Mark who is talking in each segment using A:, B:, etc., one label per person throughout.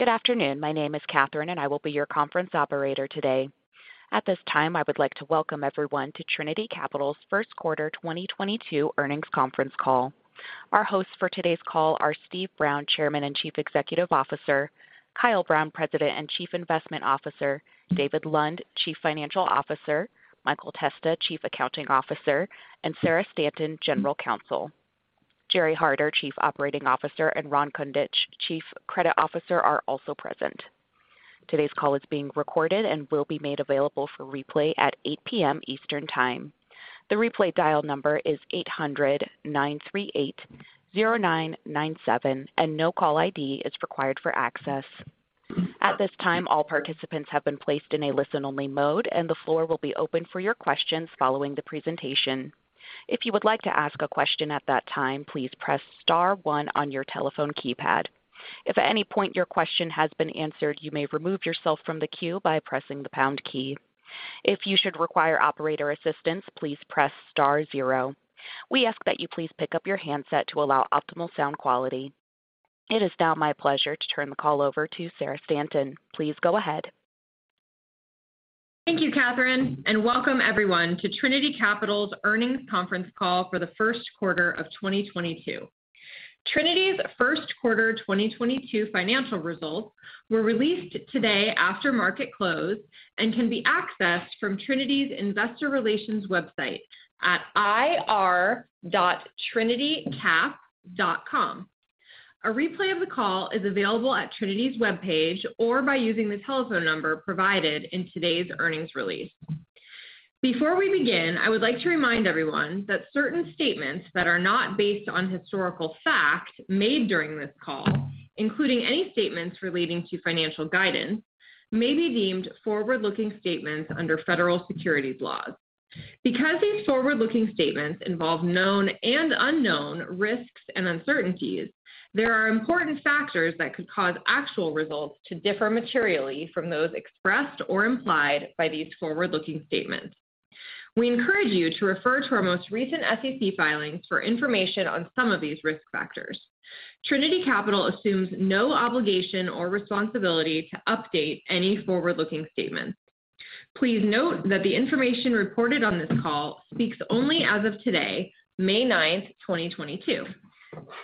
A: Good afternoon. My name is Catherine, and I will be your conference operator today. At this time, I would like to welcome everyone to Trinity Capital's First Quarter 2022 Earnings Conference Call. Our hosts for today's call are Steve Brown, Chairman and Chief Executive Officer, Kyle Brown, President and Chief Investment Officer, David Lund, Chief Financial Officer, Michael Testa, Chief Accounting Officer, and Sarah Stanton, General Counsel. Gerry Harder, Chief Operating Officer, and Ron Kundich, Chief Credit Officer, are also present. Today's call is being recorded and will be made available for replay at 8:00 P.M. Eastern Time. The replay dial number is 800-938-0997, and no call ID is required for access. At this time, all participants have been placed in a listen-only mode, and the floor will be open for your questions following the presentation. If you would like to ask a question at that time, please press star one on your telephone keypad. If at any point your question has been answered, you may remove yourself from the queue by pressing the pound key. If you should require operator assistance, please press star zero. We ask that you please pick up your handset to allow optimal sound quality. It is now my pleasure to turn the call over to Sarah Stanton. Please go ahead.
B: Thank you, Catherine, and welcome everyone to Trinity Capital's earnings conference call for the first quarter of 2022. Trinity's First Quarter 2022 Financial Results were released today after market close and can be accessed from Trinity's investor relations website at ir.trinitycap.com. A replay of the call is available at Trinity's webpage or by using the telephone number provided in today's earnings release. Before we begin, I would like to remind everyone that certain statements that are not based on historical facts made during this call, including any statements relating to financial guidance, may be deemed forward-looking statements under federal securities laws. Because these forward-looking statements involve known and unknown risks and uncertainties, there are important factors that could cause actual results to differ materially from those expressed or implied by these forward-looking statements. We encourage you to refer to our most recent SEC filings for information on some of these risk factors. Trinity Capital assumes no obligation or responsibility to update any forward-looking statements. Please note that the information reported on this call speaks only as of today, May 9th, 2022.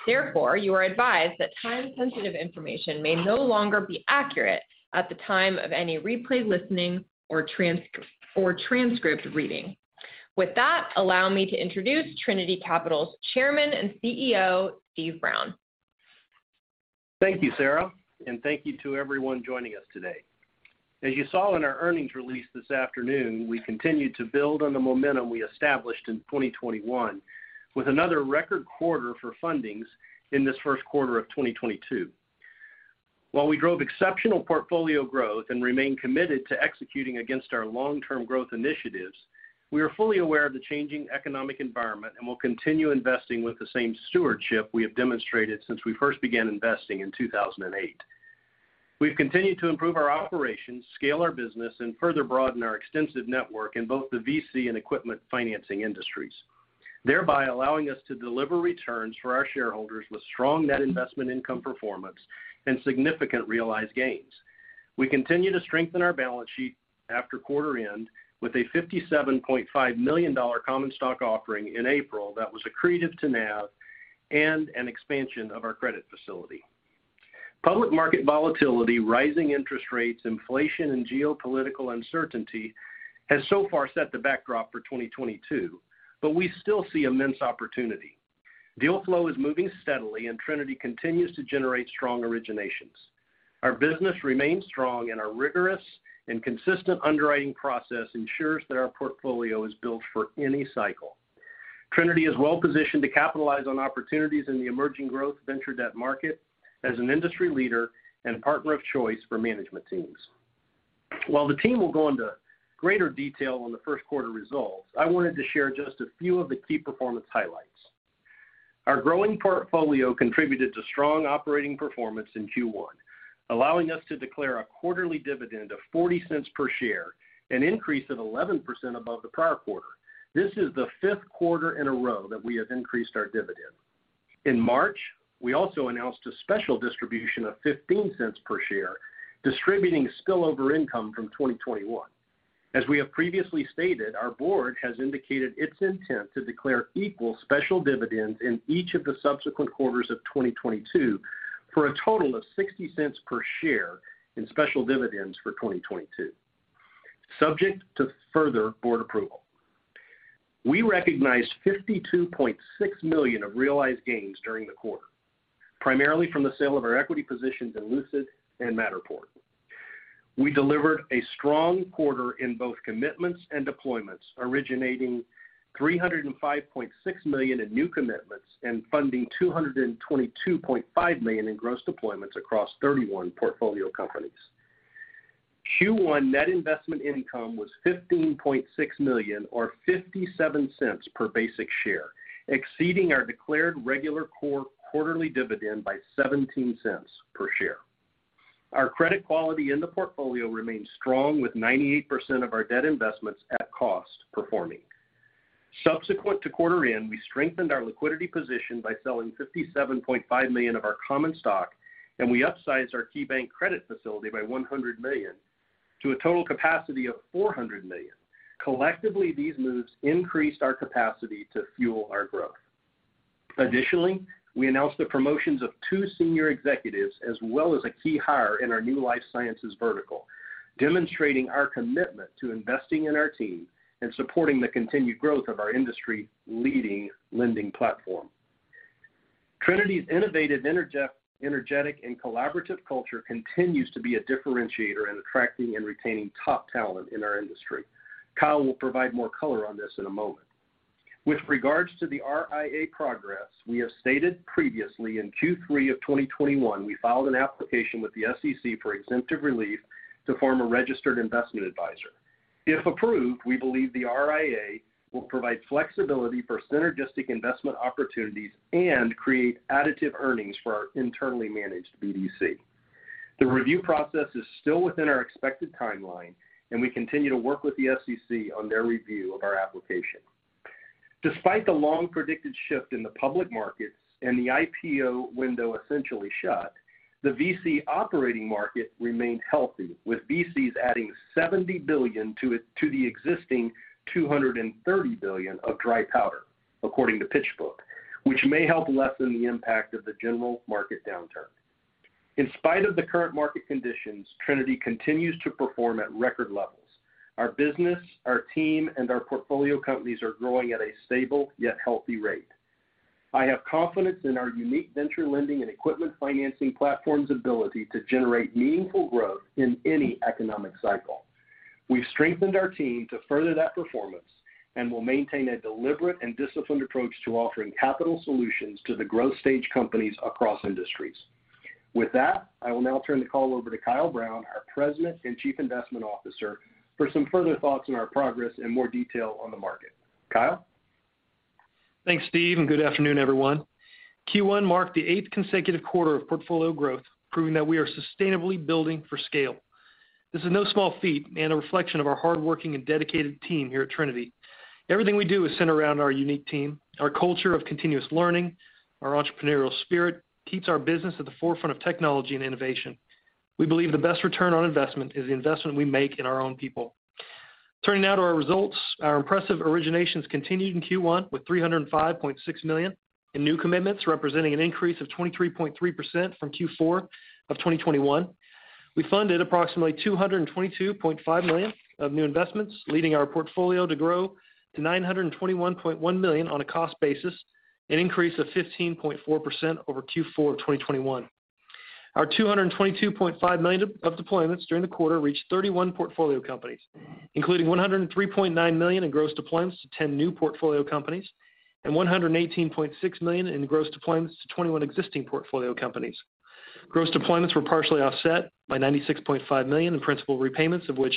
B: Therefore, you are advised that time-sensitive information may no longer be accurate at the time of any replay listening or transcript reading. With that, allow me to introduce Trinity Capital's Chairman and CEO, Steve Brown.
C: Thank you, Sarah, and thank you to everyone joining us today. As you saw in our earnings release this afternoon, we continued to build on the momentum we established in 2021 with another record quarter for fundings in this first quarter of 2022. While we drove exceptional portfolio growth and remain committed to executing against our long-term growth initiatives, we are fully aware of the changing economic environment and will continue investing with the same stewardship we have demonstrated since we first began investing in 2008. We've continued to improve our operations, scale our business, and further broaden our extensive network in both the VC and Equipment Financing industries, thereby allowing us to deliver returns for our shareholders with strong net investment income performance and significant realized gains. We continue to strengthen our balance sheet after quarter end with a $57.5 million common stock offering in April that was accretive to NAV and an expansion of our credit facility. Public market volatility, rising interest rates, inflation, and geopolitical uncertainty has so far set the backdrop for 2022, but we still see immense opportunity. Deal flow is moving steadily, and Trinity continues to generate strong originations. Our business remains strong, and our rigorous and consistent underwriting process ensures that our portfolio is built for any cycle. Trinity is well positioned to capitalize on opportunities in the emerging growth venture debt market as an industry leader and partner of choice for management teams. While the team will go into greater detail on the first quarter results, I wanted to share just a few of the key performance highlights. Our growing portfolio contributed to strong operating performance in Q1, allowing us to declare a quarterly dividend of $0.40 per share, an increase of 11% above the prior quarter. This is the 5th quarter in a row that we have increased our dividend. In March, we also announced a special distribution of $0.15 per share, distributing spillover income from 2021. As we have previously stated, our board has indicated its intent to declare equal special dividends in each of the subsequent quarters of 2022 for a total of $0.60 per share in special dividends for 2022, subject to further board approval. We recognized $52.6 million of realized gains during the quarter, primarily from the sale of our equity positions in Lucid and Matterport. We delivered a strong quarter in both commitments and deployments, originating $305.6 million in new commitments and funding $222.5 million in gross deployments across 31 portfolio companies. Q1 net investment income was $15.6 million or $0.57 per basic share, exceeding our declared regular core quarterly dividend by $0.17 per share. Our credit quality in the portfolio remains strong with 98% of our debt investments at cost performing. Subsequent to quarter end, we strengthened our liquidity position by selling $57.5 million of our common stock, and we upsized our KeyBank credit facility by $100 million to a total capacity of $400 million. Collectively, these moves increased our capacity to fuel our growth. Additionally, we announced the promotions of two senior executives as well as a key hire in our new Life Sciences vertical, demonstrating our commitment to investing in our team and supporting the continued growth of our industry leading lending platform. Trinity's innovative, energetic, and collaborative culture continues to be a differentiator in attracting and retaining top talent in our industry. Kyle will provide more color on this in a moment. With regards to the RIA progress, we have stated previously in Q3 of 2021, we filed an application with the SEC for exemptive relief to form a registered investment advisor. If approved, we believe the RIA will provide flexibility for synergistic investment opportunities and create additive earnings for our internally managed BDC. The review process is still within our expected timeline, and we continue to work with the SEC on their review of our application. Despite the long predicted shift in the public markets and the IPO window essentially shut, the VC operating market remained healthy, with VCs adding $70 billion to the existing $230 billion of dry powder, according to PitchBook, which may help lessen the impact of the general market downturn. In spite of the current market conditions, Trinity continues to perform at record levels. Our business, our team, and our portfolio companies are growing at a stable yet healthy rate. I have confidence in our unique venture lending and equipment financing platform's ability to generate meaningful growth in any economic cycle. We've strengthened our team to further that performance, and we'll maintain a deliberate and disciplined approach to offering capital solutions to the growth stage companies across industries. With that, I will now turn the call over to Kyle Brown, our President and Chief Investment Officer, for some further thoughts on our progress and more detail on the market. Kyle.
D: Thanks, Steve, and good afternoon, everyone. Q1 marked the eighth consecutive quarter of portfolio growth, proving that we are sustainably building for scale. This is no small feat and a reflection of our hardworking and dedicated team here at Trinity. Everything we do is centered around our unique team. Our culture of continuous learning, our entrepreneurial spirit keeps our business at the forefront of technology and innovation. We believe the best return on investment is the investment we make in our own people. Turning now to our results. Our impressive originations continued in Q1 with $305.6 million in new commitments, representing an increase of 23.3% from Q4 of 2021. We funded approximately $222.5 million of new investments, leading our portfolio to grow to $921.1 million on a cost basis, an increase of 15.4% over Q4 of 2021. Our $222.5 million of deployments during the quarter reached 31 portfolio companies, including $103.9 million in gross deployments to 10 new portfolio companies and $118.6 million in gross deployments to 21 existing portfolio companies. Gross deployments were partially offset by $96.5 million in principal repayments, of which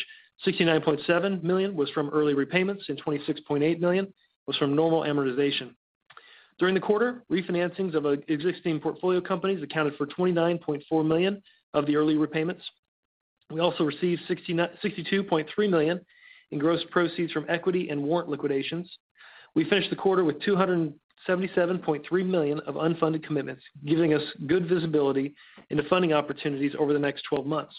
D: $69.7 million was from early repayments and $26.8 million was from normal amortization. During the quarter, refinancings of existing portfolio companies accounted for $29.4 million of the early repayments. We also received $62.3 million in gross proceeds from equity and warrant liquidations. We finished the quarter with $277.3 million of unfunded commitments, giving us good visibility into funding opportunities over the next twelve months.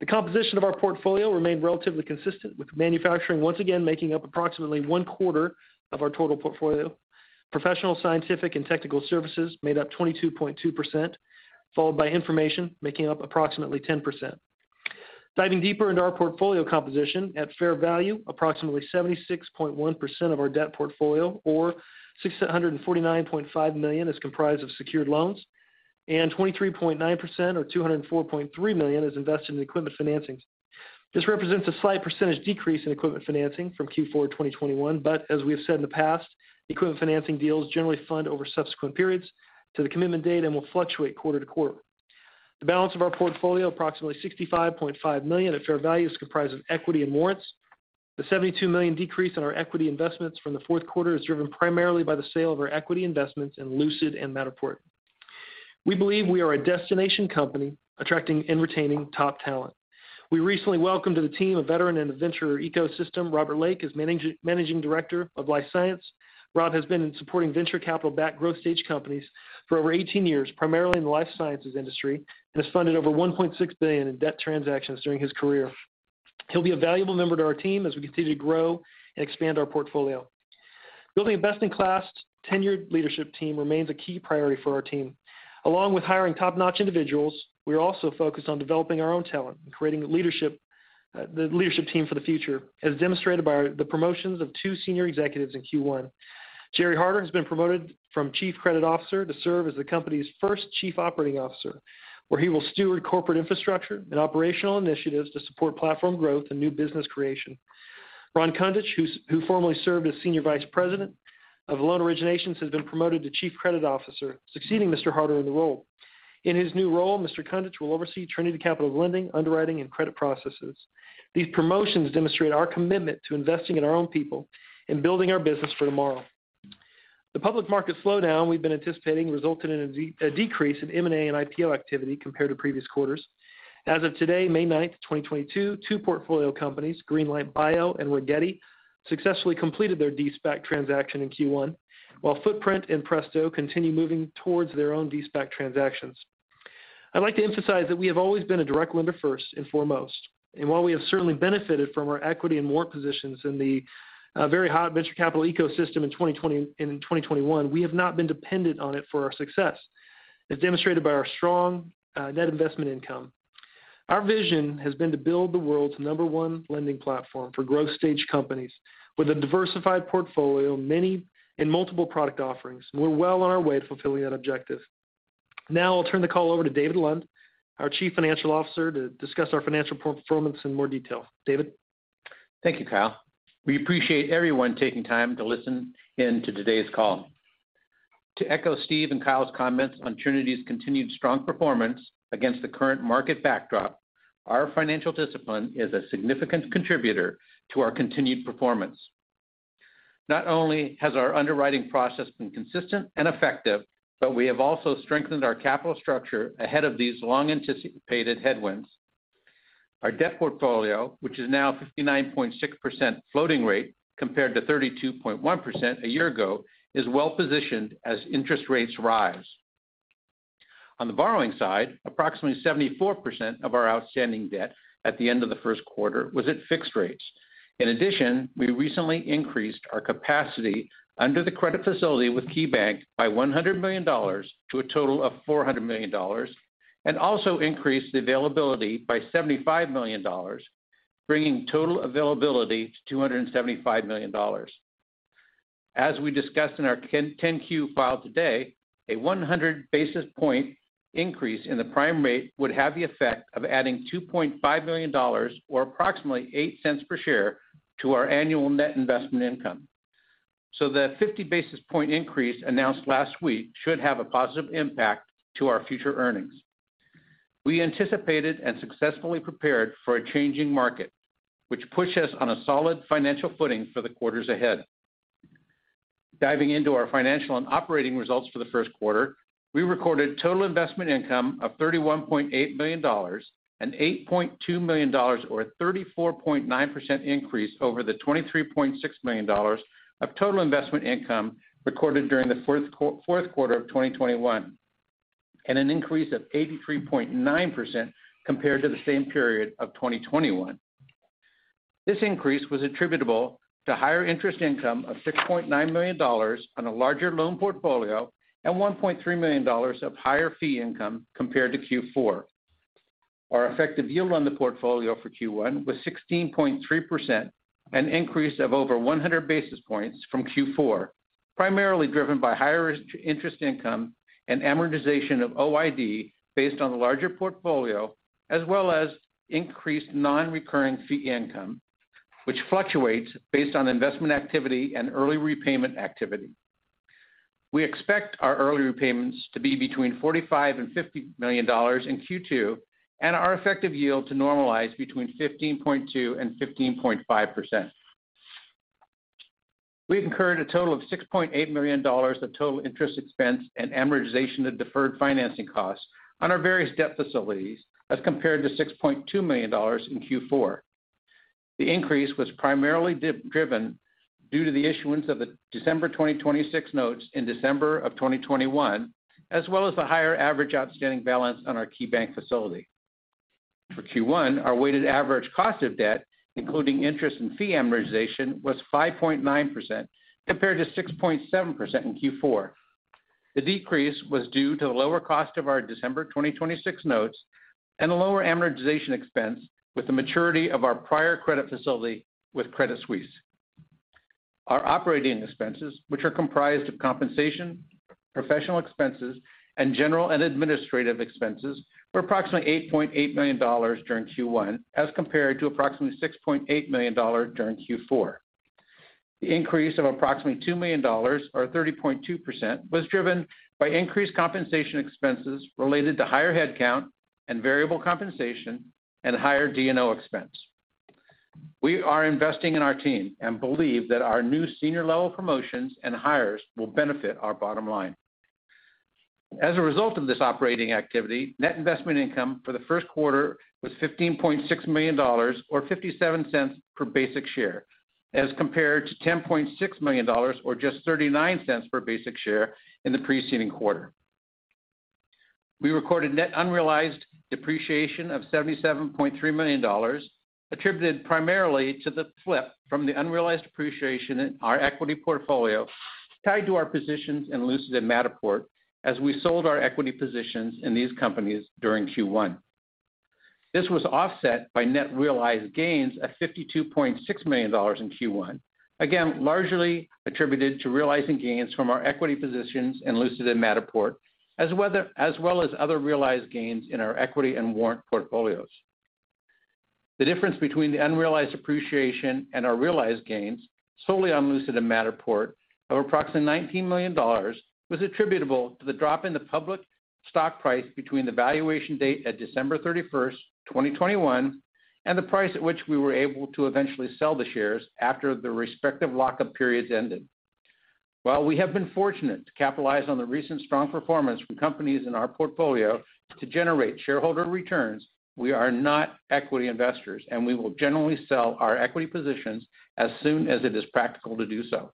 D: The composition of our portfolio remained relatively consistent, with Manufacturing once again making up approximately one quarter of our total portfolio. Professional, Scientific, and Technical Services made up 22.2%, followed by Information making up approximately 10%. Diving deeper into our portfolio composition, at fair value, approximately 76.1% of our debt portfolio or $649.5 million is comprised of secured loans, and 23.9% or $204.3 million is invested in equipment financings. This represents a slight percentage decrease in Equipment Financing from Q4 of 2021, but as we have said in the past, Equipment Financing deals generally fund over subsequent periods to the commitment date and will fluctuate quarter to quarter. The balance of our portfolio, approximately $65.5 million at fair value, is comprised of equity and warrants. The $72 million decrease in our equity investments from the fourth quarter is driven primarily by the sale of our equity investments in Lucid and Matterport. We believe we are a destination company attracting and retaining top talent. We recently welcomed to the team a veteran in the venture ecosystem, Robert Lake, as Managing Director of Life Sciences. Rob has been supporting venture capital-backed growth-stage companies for over 18 years, primarily in the life sciences industry, and has funded over $1.6 billion in debt transactions during his career. He'll be a valuable member to our team as we continue to grow and expand our portfolio. Building a best-in-class tenured leadership team remains a key priority for our team. Along with hiring top-notch individuals, we are also focused on developing our own talent and creating the leadership team for the future, as demonstrated by the promotions of two senior executives in Q1. Gerry Harder has been promoted from chief credit officer to serve as the company's first chief operating officer, where he will steward corporate infrastructure and operational initiatives to support platform growth and new business creation. Ron Kundich, who formerly served as senior vice president of loan originations, has been promoted to chief credit officer, succeeding Mr. Harder in the role. In his new role, Mr. Kundich will oversee Trinity Capital's lending, underwriting, and credit processes. These promotions demonstrate our commitment to investing in our own people and building our business for tomorrow. The public market slowdown we've been anticipating resulted in a decrease in M&A and IPO activity compared to previous quarters. As of today, May 9th, 2022, two portfolio companies, Greenlight Biosciences and Rigetti, successfully completed their de-SPAC transaction in Q1, while Footprint and Presto continue moving towards their own de-SPAC transactions. I'd like to emphasize that we have always been a direct lender first and foremost. While we have certainly benefited from our equity and warrant positions in the very hot venture capital ecosystem in 2020 and in 2021, we have not been dependent on it for our success, as demonstrated by our strong net investment income. Our vision has been to build the world's number one lending platform for growth stage companies with a diversified portfolio, many and multiple product offerings, and we're well on our way to fulfilling that objective. Now I'll turn the call over to David Lund, our Chief Financial Officer, to discuss our financial performance in more detail. David.
E: Thank you, Kyle. We appreciate everyone taking time to listen in to today's call. To echo Steve and Kyle's comments on Trinity's continued strong performance against the current market backdrop, our financial discipline is a significant contributor to our continued performance. Not only has our underwriting process been consistent and effective, but we have also strengthened our capital structure ahead of these long-anticipated headwinds. Our debt portfolio, which is now 59.6% floating rate compared to 32.1% a year ago, is well-positioned as interest rates rise. On the borrowing side, approximately 74% of our outstanding debt at the end of the first quarter was at fixed rates. In addition, we recently increased our capacity under the credit facility with KeyBank by $100 million to a total of $400 million, and also increased the availability by $75 million, bringing total availability to $275 million. As we discussed in our 10-Q filed today, a 100 basis point increase in the prime rate would have the effect of adding $2.5 million or approximately $0.08 per share to our annual net investment income. The 50 basis point increase announced last week should have a positive impact to our future earnings. We anticipated and successfully prepared for a changing market, which puts us on a solid financial footing for the quarters ahead. Diving into our financial and operating results for the first quarter, we recorded total investment income of $31.8 million, an $8.2 million or 34.9% increase over the $23.6 million of total investment income recorded during the fourth quarter of 2021, and an increase of 83.9% compared to the same period of 2021. This increase was attributable to higher interest income of $6.9 million on a larger loan portfolio and $1.3 million of higher fee income compared to Q4. Our effective yield on the portfolio for Q1 was 16.3%, an increase of over 100 basis points from Q4, primarily driven by higher interest income and amortization of OID based on the larger portfolio, as well as increased non-recurring fee income, which fluctuates based on investment activity and early repayment activity. We expect our early repayments to be between $45 million and $50 million in Q2, and our effective yield to normalize between 15.2% and 15.5%. We've incurred a total of $6.8 million of total interest expense and amortization of deferred financing costs on our various debt facilities, as compared to $6.2 million in Q4. The increase was primarily driven due to the issuance of the December 2026 Notes in December 2021, as well as the higher average outstanding balance on our KeyBank facility. For Q1, our weighted average cost of debt, including interest and fee amortization, was 5.9%, compared to 6.7% in Q4. The decrease was due to the lower cost of our December 2026 Notes and a lower amortization expense with the maturity of our prior credit facility with Credit Suisse. Our operating expenses, which are comprised of compensation, professional expenses, and general and administrative expenses, were approximately $8.8 million during Q1 as compared to approximately $6.8 million during Q4. The increase of approximately $2 million, or 30.2%, was driven by increased compensation expenses related to higher headcount and variable compensation and higher D&O expense. We are investing in our team and believe that our new senior level promotions and hires will benefit our bottom line. As a result of this operating activity, net investment income for the first quarter was $15.6 million or $0.57 per basic share, as compared to $10.6 million or just $0.39 per basic share in the preceding quarter. We recorded net unrealized depreciation of $77.3 million, attributed primarily to the flip from the unrealized appreciation in our equity portfolio tied to our positions in Lucid and Matterport as we sold our equity positions in these companies during Q1. This was offset by net realized gains of $52.6 million in Q1, again largely attributed to realizing gains from our equity positions in Lucid and Matterport, as well as other realized gains in our equity and warrant portfolios. The difference between the unrealized appreciation and our realized gains, solely on Lucid and Matterport, of approximately $19 million was attributable to the drop in the public stock price between the valuation date at December 31st, 2021, and the price at which we were able to eventually sell the shares after the respective lock-up periods ended. While we have been fortunate to capitalize on the recent strong performance from companies in our portfolio to generate shareholder returns, we are not equity investors, and we will generally sell our equity positions as soon as it is practical to do so.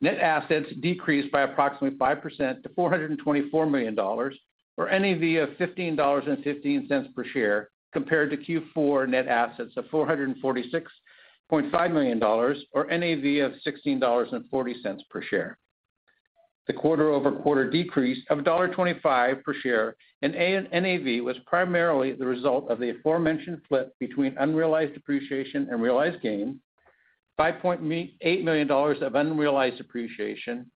E: Net assets decreased by approximately 5% to $424 million or NAV of $15.15 per share compared to Q4 net assets of $446.5 million or NAV of $16.40 per share. The quarter-over-quarter decrease of $1.25 per share in NAV was primarily the result of the aforementioned flip between unrealized appreciation and realized gain, $5.8 million of unrealized appreciation,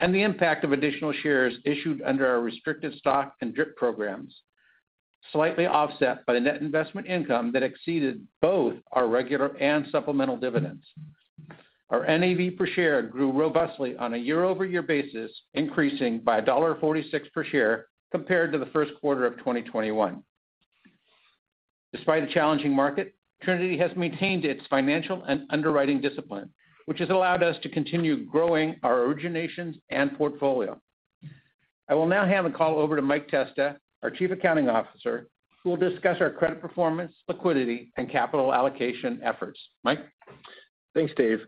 E: and the impact of additional shares issued under our restricted stock and DRIP programs, slightly offset by the net investment income that exceeded both our regular and supplemental dividends. Our NAV per share grew robustly on a year-over-year basis, increasing by $1.46 per share compared to the first quarter of 2021. Despite a challenging market, Trinity has maintained its financial and underwriting discipline, which has allowed us to continue growing our originations and portfolio. I will now hand the call over to Mike Testa, our Chief Accounting Officer, who will discuss our credit performance, liquidity, and capital allocation efforts. Mike.
F: Thanks, Dave.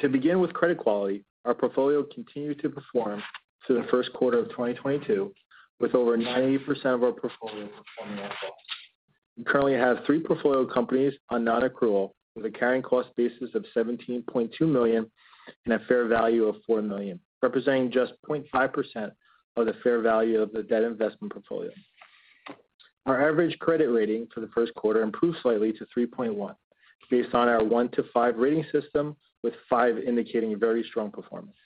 F: To begin with credit quality, our portfolio continued to perform through the first quarter of 2022 with over 98% of our portfolio performing well. We currently have three portfolio companies on non-accrual with a carrying cost basis of $17.2 million and a fair value of $4 million, representing just 0.5% of the fair value of the debt investment portfolio. Our average credit rating for the first quarter improved slightly to 3.1 based on our 1-5 rating system, with 5 indicating very strong performance.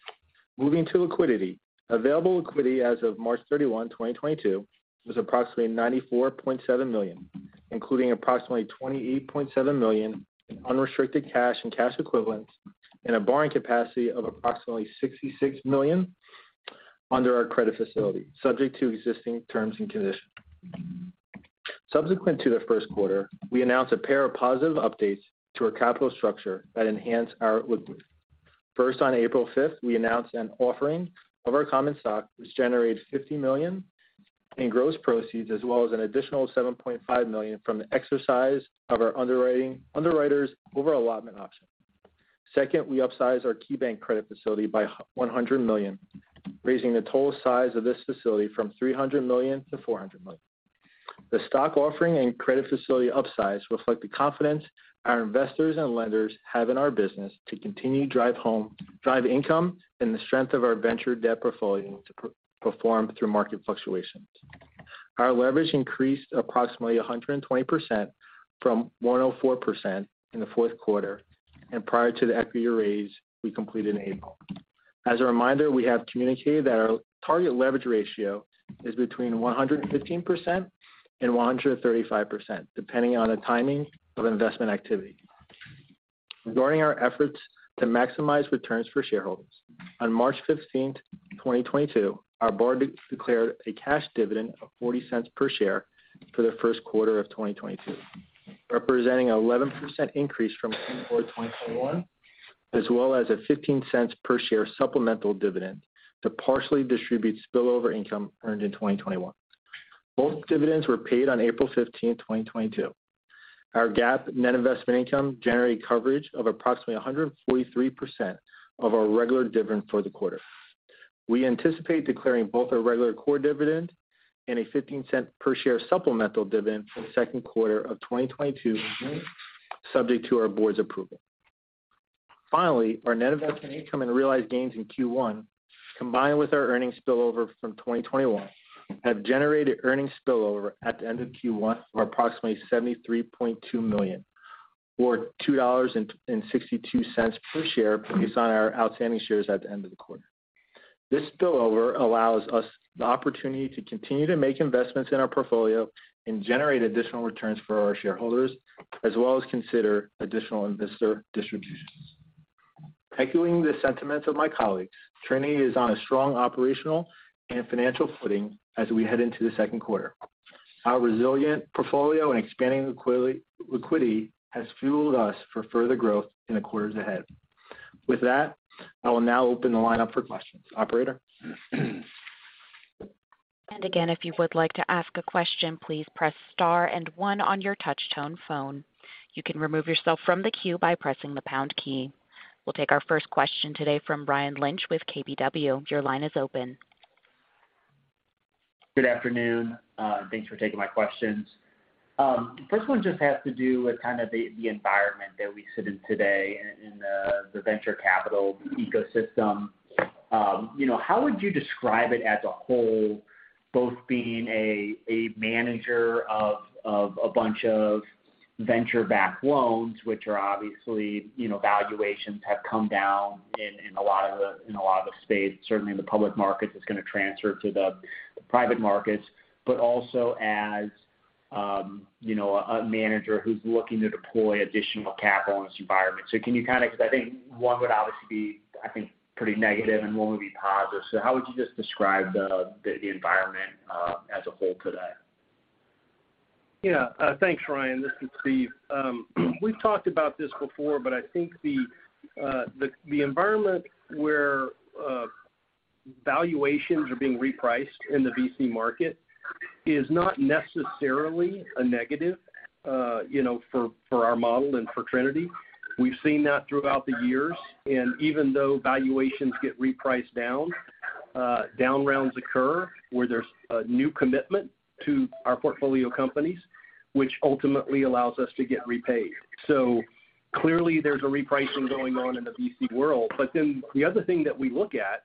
F: Moving to liquidity. Available liquidity as of March 31, 2022, was approximately $94.7 million, including approximately $28.7 million in unrestricted cash and cash equivalents and a borrowing capacity of approximately $66 million under our credit facility, subject to existing terms and conditions. Subsequent to the first quarter, we announced a pair of positive updates to our capital structure that enhanced our liquidity. First, on April 5th, we announced an offering of our common stock, which generated $50 million in gross proceeds as well as an additional $7.5 million from the exercise of our underwriters over allotment option. Second, we upsized our KeyBank credit facility by $100 million, raising the total size of this facility from $300 million to $400 million. The stock offering and credit facility upsize reflect the confidence our investors and lenders have in our business to continue drive income and the strength of our venture debt portfolio to perform through market fluctuations. Our leverage increased approximately 120% from 104% in the fourth quarter and prior to the equity raise we completed in April. As a reminder, we have communicated that our target leverage ratio is between 115% and 135%, depending on the timing of investment activity. Regarding our efforts to maximize returns for shareholders, on March 15th, 2022, our board declared a cash dividend of $0.40 per share for the first quarter of 2022, representing an 11% increase from Q4 2021, as well as a $0.15 per share supplemental dividend to partially distribute spillover income earned in 2021. Both dividends were paid on April 15th, 2022. Our GAAP net investment income generated coverage of approximately 143% of our regular dividend for the quarter. We anticipate declaring both our regular core dividend and a $0.15 per share supplemental dividend for the second quarter of 2022 subject to our board's approval. Finally, our net investment income and realized gains in Q1, combined with our earnings spillover from 2021, have generated earnings spillover at the end of Q1 of approximately $73.2 million or $2.62 per share based on our outstanding shares at the end of the quarter. This spillover allows us the opportunity to continue to make investments in our portfolio and generate additional returns for our shareholders, as well as consider additional investor distributions. Echoing the sentiments of my colleagues, Trinity is on a strong operational and financial footing as we head into the second quarter. Our resilient portfolio and expanding liquidity has fueled us for further growth in the quarters ahead. With that, I will now open the line up for questions. Operator?
A: Again, if you would like to ask a question, please press star and one on your touch-tone phone. You can remove yourself from the queue by pressing the pound key. We'll take our first question today from Ryan Lynch with KBW. Your line is open.
G: Good afternoon. Thanks for taking my questions. First one just has to do with kind of the environment that we sit in today in the venture capital ecosystem. You know, how would you describe it as a whole, both being a manager of a bunch of venture-backed loans, which are obviously, you know, valuations have come down in a lot of the space. Certainly the public markets is gonna transfer to the private markets, but also as You know, a manager who's looking to deploy additional capital in this environment. Can you? 'Cause I think one would obviously be, I think, pretty negative and one would be positive. How would you just describe the environment as a whole today?
C: Yeah. Thanks, Ryan. This is Steve. We've talked about this before, but I think the environment where valuations are being repriced in the VC market is not necessarily a negative, you know, for our model and for Trinity. We've seen that throughout the years. Even though valuations get repriced down rounds occur where there's a new commitment to our portfolio companies, which ultimately allows us to get repaid. Clearly, there's a repricing going on in the VC world. Then the other thing that we look at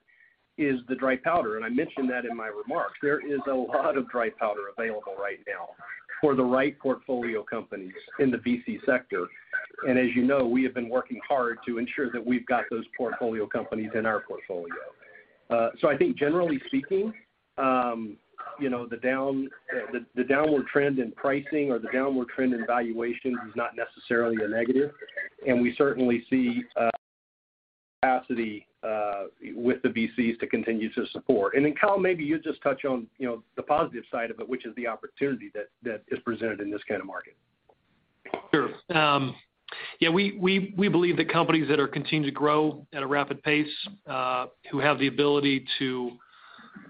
C: is the dry powder, and I mentioned that in my remarks. There is a lot of dry powder available right now for the right portfolio companies in the VC sector. As you know, we have been working hard to ensure that we've got those portfolio companies in our portfolio. I think generally speaking, you know, the downward trend in pricing or the downward trend in valuation is not necessarily a negative. We certainly see capacity with the VCs to continue to support. Kyle, maybe you just touch on, you know, the positive side of it, which is the opportunity that is presented in this kind of market.
D: Sure. Yeah, we believe that companies that are continuing to grow at a rapid pace, who have the ability to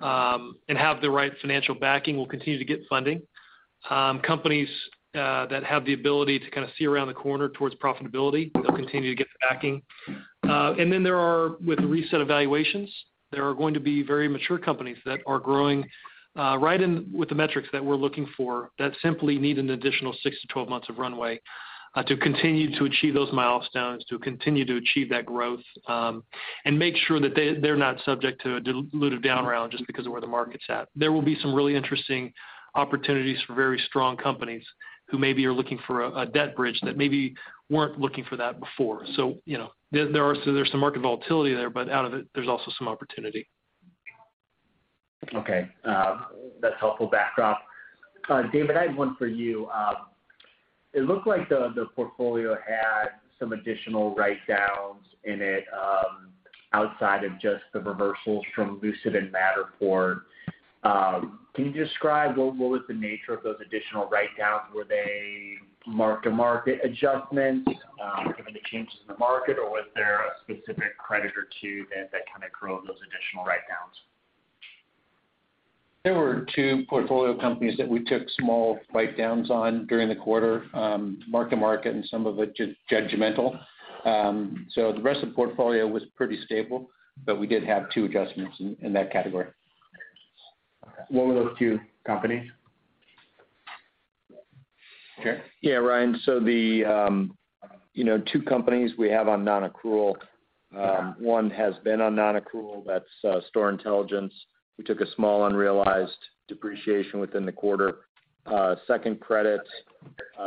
D: and have the right financial backing will continue to get funding. Companies that have the ability to kinda see around the corner towards profitability, they'll continue to get the backing. With the reset of valuations, there are going to be very mature companies that are growing right in with the metrics that we're looking for that simply need an additional 6-12 months of runway to continue to achieve those milestones, to continue to achieve that growth, and make sure that they're not subject to a dilutive down round just because of where the market's at. There will be some really interesting opportunities for very strong companies who maybe are looking for a debt bridge that maybe weren't looking for that before. You know, there's some market volatility there, but out of it, there's also some opportunity.
G: Okay. That's helpful backdrop. David, I have one for you. It looked like the portfolio had some additional write-downs in it, outside of just the reversals from Lucid and Matterport. Can you describe what was the nature of those additional write-downs? Were they mark-to-market adjustments, given the changes in the market, or was there a specific credit or two that kinda drove those additional write-downs?
E: There were two portfolio companies that we took small write-downs on during the quarter, mark-to-market, and some of it judgmental. The rest of the portfolio was pretty stable, but we did have two adjustments in that category.
G: Okay. What were those two companies?
E: Jerry?
H: Yeah, Ryan. The two companies we have on non-accrual. One has been on non-accrual, that's Store Intelligence. We took a small unrealized depreciation within the quarter. Second credit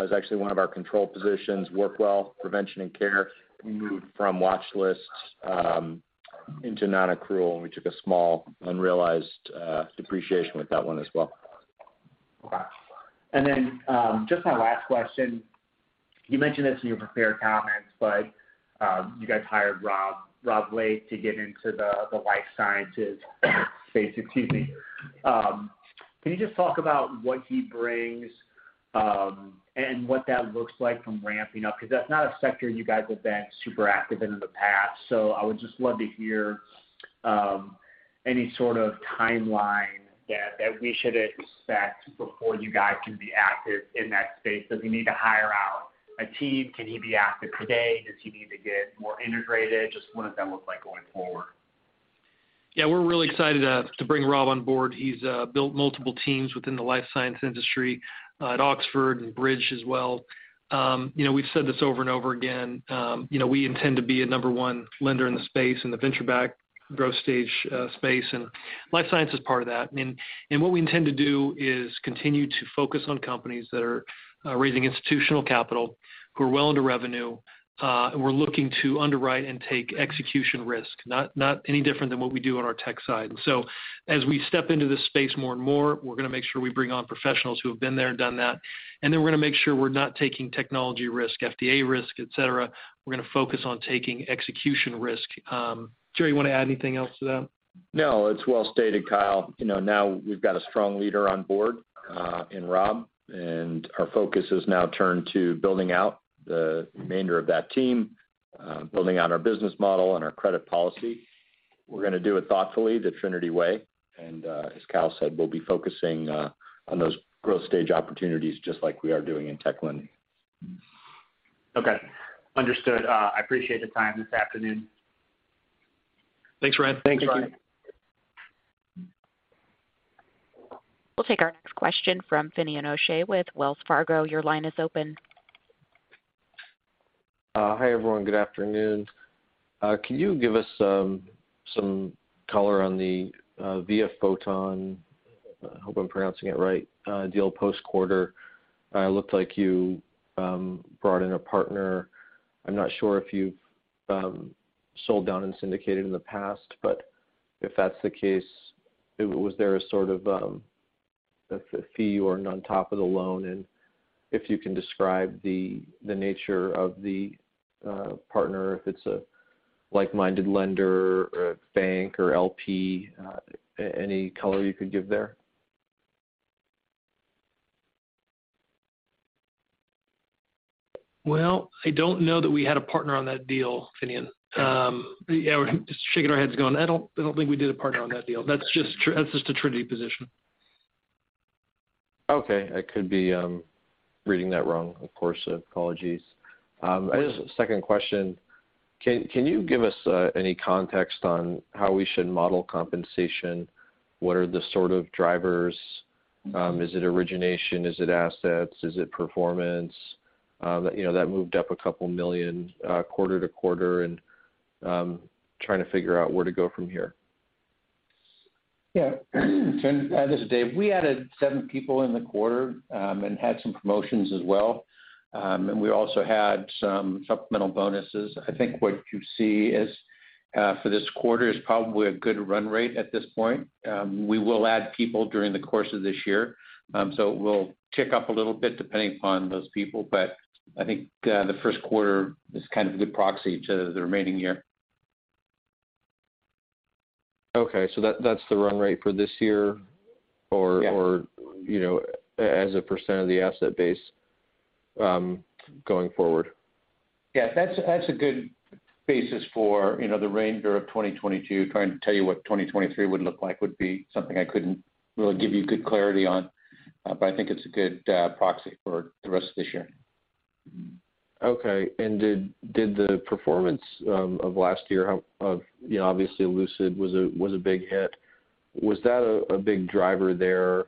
H: is actually one of our control positions, WorkWell Prevention & Care. We moved from watch lists into non-accrual, and we took a small unrealized depreciation with that one as well.
G: Gotcha. Then just my last question. You mentioned this in your prepared comments, but you guys hired Rob Lake to get into the Life Sciences space. Excuse me. Can you just talk about what he brings and what that looks like from ramping up? 'Cause that's not a sector you guys have been super active in in the past. I would just love to hear any sort of timeline that we should expect before you guys can be active in that space. Does he need to hire out a team? Can he be active today? Does he need to get more integrated? Just what does that look like going forward?
D: Yeah, we're really excited to bring Rob on board. He's built multiple teams within the life sciences industry at Oxford and Bridge as well. You know, we've said this over and over again. You know, we intend to be a number one lender in the space, in the venture-backed growth stage space, and Life Sciences is part of that. And what we intend to do is continue to focus on companies that are raising institutional capital, who are well into revenue, and we're looking to underwrite and take execution risk, not any different than what we do on our tech side. As we step into this space more and more, we're gonna make sure we bring on professionals who have been there and done that. Then we're gonna make sure we're not taking technology risk, FDA risk, et cetera. We're gonna focus on taking execution risk. Gerry, you wanna add anything else to that?
H: No, it's well stated, Kyle. You know, now we've got a strong leader on board, in Rob, and our focus has now turned to building out the remainder of that team, building out our business model and our credit policy. We're gonna do it thoughtfully, the Trinity way. As Kyle said, we'll be focusing on those growth stage opportunities just like we are doing in Tech Lending.
G: Okay. Understood. I appreciate the time this afternoon.
D: Thanks, Ryan.
C: Thank you, Ryan.
G: Thanks.
A: We'll take our next question from Finian O'Shea with Wells Fargo. Your line is open.
I: Hi, everyone. Good afternoon. Can you give us some color on the viaPhoton deal post-quarter? It looked like you brought in a partner. I'm not sure if you've sold down and syndicated in the past, but if that's the case, was there a sort of a fee or on top of the loan? If you can describe the nature of the partner, if it's a like-minded lender or a bank or LP, any color you could give there.
D: Well, I don't know that we had a partner on that deal, Finian. Yeah, we're just shaking our heads going, "I don't think we did a partner on that deal." That's just a Trinity position.
I: Okay. I could be reading that wrong, of course, apologies. I just have a second question. Can you give us any context on how we should model compensation? What are the sort of drivers? Is it origination? Is it assets? Is it performance? You know, that moved up a couple million quarter-over-quarter, and I'm trying to figure out where to go from here.
E: Yeah. This is David. We added seven people in the quarter, and had some promotions as well. We also had some supplemental bonuses. I think what you see for this quarter is probably a good run rate at this point. We will add people during the course of this year. We'll tick up a little bit depending upon those people. I think the first quarter is kind of a good proxy to the remaining year.
I: Okay, that's the run rate for this year.
E: Yeah
I: You know, as a percent of the asset base, going forward.
E: Yeah. That's a good basis for, you know, the range of 2022. Trying to tell you what 2023 would look like would be something I couldn't really give you good clarity on. I think it's a good proxy for the rest of this year.
I: Okay. Did the performance of last year. You know, obviously Lucid was a big hit. Was that a big driver there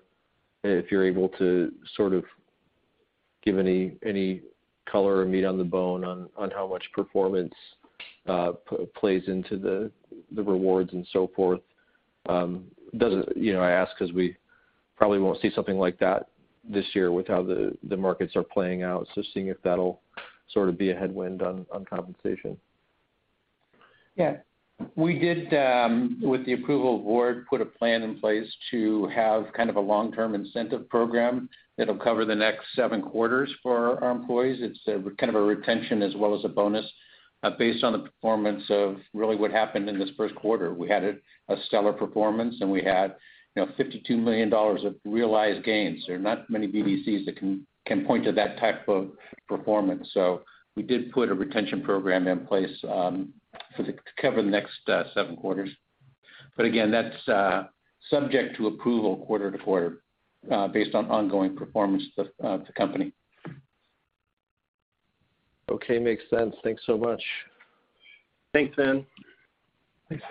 I: if you're able to sort of give any color or meat on the bone on how much performance plays into the rewards and so forth? Does it. You know, I ask because we probably won't see something like that this year with how the markets are playing out. Seeing if that'll sort of be a headwind on compensation.
E: Yeah. We did, with the approval of board, put a plan in place to have kind of a long-term incentive program that'll cover the next seven quarters for our employees. It's kind of a retention as well as a bonus, based on the performance of really what happened in this first quarter. We had a stellar performance, and we had, you know, $52 million of realized gains. There are not many BDCs that can point to that type of performance. We did put a retention program in place, to cover the next seven quarters. But again, that's subject to approval quarter to quarter, based on ongoing performance of the company.
I: Okay. Makes sense. Thanks so much.
E: Thanks, Finn.
D: Thanks,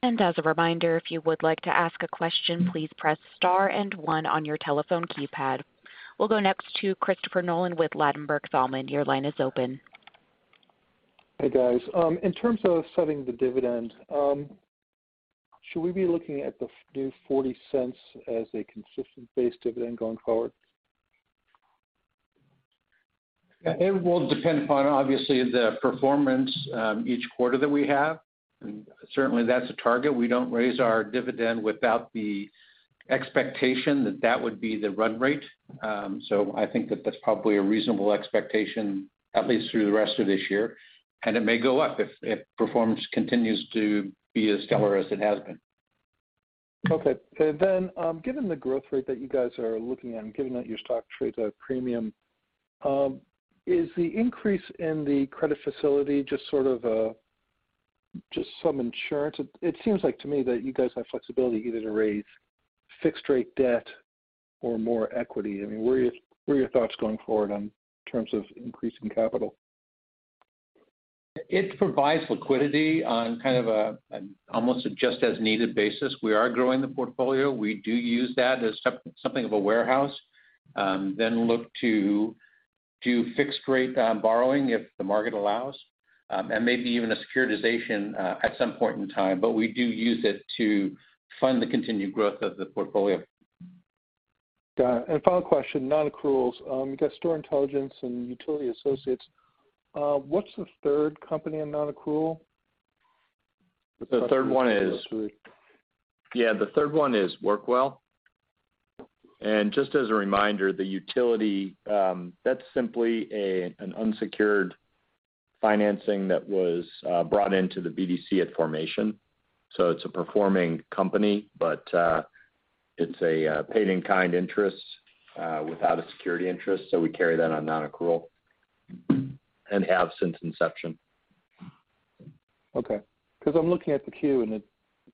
D: Finn.
A: As a reminder, if you would like to ask a question, please press star and one on your telephone keypad. We'll go next to Christopher Nolan with Ladenburg Thalmann. Your line is open.
J: Hey, guys. In terms of setting the dividend, should we be looking at the new $0.40 as a consistent base dividend going forward?
E: It will depend upon obviously the performance each quarter that we have. Certainly that's a target. We don't raise our dividend without the expectation that that would be the run rate. I think that that's probably a reasonable expectation, at least through the rest of this year. It may go up if performance continues to be as stellar as it has been.
J: Okay. Given the growth rate that you guys are looking at and given that your stock trades at a premium, is the increase in the credit facility just some insurance? It seems like to me that you guys have flexibility either to raise fixed rate debt or more equity. I mean, where are your thoughts going forward in terms of increasing capital?
E: It provides liquidity on kind of an almost just as needed basis. We are growing the portfolio. We do use that as something of a warehouse, then look to do fixed rate borrowing if the market allows, and maybe even a securitization at some point in time. We do use it to fund the continued growth of the portfolio.
J: Got it. Final question, non-accruals. You got Store Intelligence and Utility Associates. What's the third company on non-accrual?
H: The third one is WorkWell. Just as a reminder, the Utility Associates, that's simply an unsecured financing that was brought into the BDC at formation. It's a performing company, but it's a paid in kind interest without a security interest, so we carry that on non-accrual and have since inception.
J: Okay. Because I'm looking at the Q, and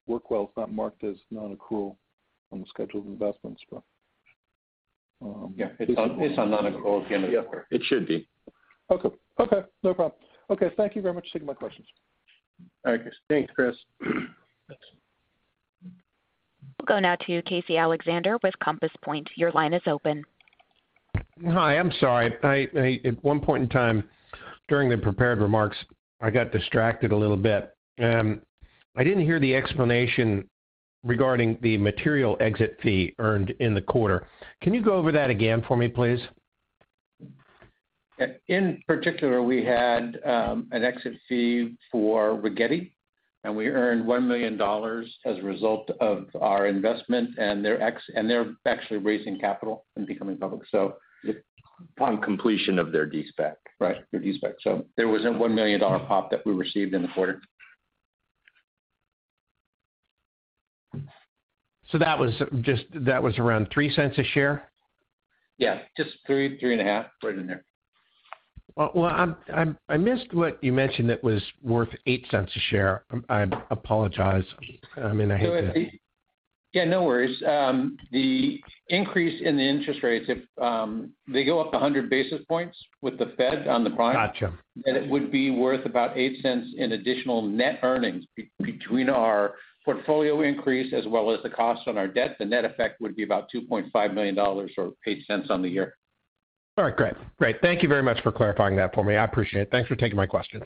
J: WorkWell is not marked as non-accrual on the schedule of investments, but-
E: Yeah, it's on non-accrual.
H: It should be.
J: Okay. Okay, no problem. Okay, thank you very much. Those are my questions.
E: All right, Chris.
D: Thanks, Chris.
A: We'll go now to Casey Alexander with Compass Point. Your line is open.
K: Hi. I'm sorry. I at one point in time during the prepared remarks, I got distracted a little bit. I didn't hear the explanation regarding the material exit fee earned in the quarter. Can you go over that again for me, please?
E: In particular, we had an exit fee for Rigetti, and we earned $1 million as a result of our investment and they're actually raising capital and becoming public.
C: Upon completion of their de-SPAC.
E: Right. Their de-SPAC. There was a $1 million pop that we received in the quarter.
K: That was just around $0.03 a share?
E: Yeah, just $0.03, $0.035, right in there.
K: Well, I missed what you mentioned that was worth $0.08 a share. I apologize. I mean, I hate to-
E: Yeah, no worries. The increase in the interest rates, if they go up 100 basis points with the Fed on the prime-
K: Gotcha
E: It would be worth about $0.08 in additional net earnings between our portfolio increase as well as the cost on our debt. The net effect would be about $2.5 million or $0.08 on the year.
K: All right, great. Great. Thank you very much for clarifying that for me. I appreciate it. Thanks for taking my questions.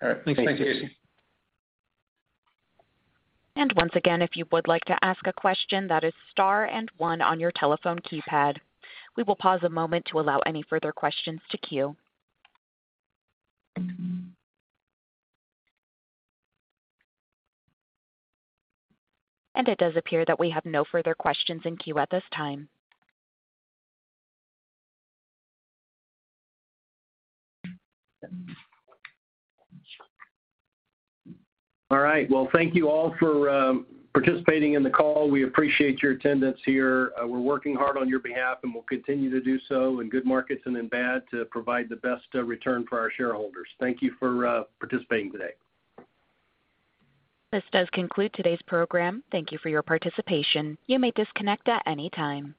E: All right. Thanks, Casey.
A: Once again, if you would like to ask a question, that is star and one on your telephone keypad. We will pause a moment to allow any further questions to queue. It does appear that we have no further questions in queue at this time.
C: All right. Well, thank you all for participating in the call. We appreciate your attendance here. We're working hard on your behalf, and we'll continue to do so in good markets and in bad to provide the best return for our shareholders. Thank you for participating today.
A: This does conclude today's program. Thank you for your participation. You may disconnect at any time.